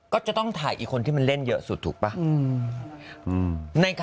ก็จะต้องถ่ายอีกคนที่มันเล่นเยอะสุดถูกป่ะ